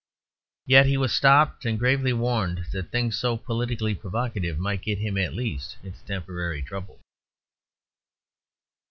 Yet he was stopped and gravely warned that things so politically provocative might get him at least into temporary trouble.